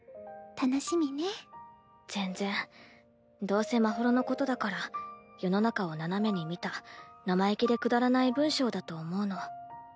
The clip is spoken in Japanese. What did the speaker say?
どうせまほろのことだから世の中を斜めに見た生意気でくだらない文章だと思うの。